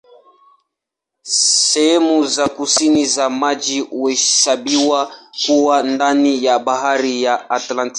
Sehemu za kusini za maji huhesabiwa kuwa ndani ya Bahari ya Antaktiki.